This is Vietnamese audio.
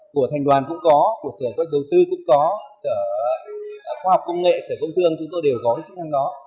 của thành đoàn cũng có của sở kết đầu tư cũng có sở khoa học công nghệ sở công thương chúng tôi đều có những chức năng đó